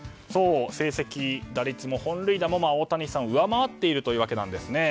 成績、打率も本塁打も大谷さんを上回っているというわけです。